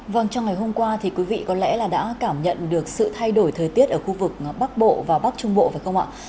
vâng trong ngày hôm qua thì quý vị có lẽ là đã cảm nhận được sự thay đổi thời tiết ở khu vực bắc bộ và bắc trung bộ phải không ạ